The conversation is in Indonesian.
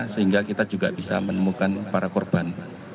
sehingga kita juga bisa menemukan para korban